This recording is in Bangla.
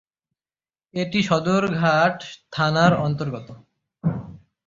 এটি সদরঘাট থানার অন্তর্গত।